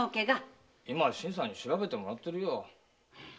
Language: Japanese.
今新さんに調べてもらってるよ。